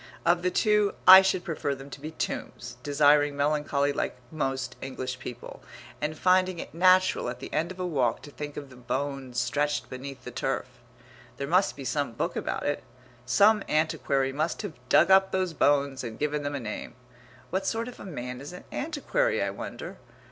Of the two I should prefer them to be tombs, desiring melancholy like most English people, and finding it natural at the end of a walk to think of the bones stretched beneath the turf.... There must be some book about it. Some antiquary must have dug up those bones and given them a name.... What sort of a man is an antiquary, I wonder?